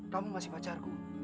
kamu masih pacarku